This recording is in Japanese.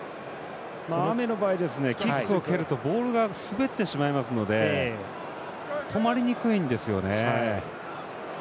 雨の場合、キックを蹴るとボールが滑ってしまいますので止まりにくいんですよね。